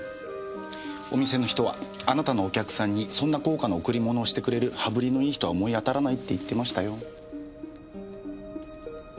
お店の人はあなたのお客さんにそんな高価な贈り物をしてくれる羽振りのいい人は思い当たらないって言ってましたよ。